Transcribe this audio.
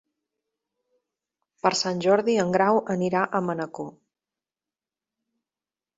Per Sant Jordi en Grau anirà a Manacor.